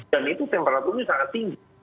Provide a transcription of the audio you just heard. dan itu temperatur ini sangat tinggi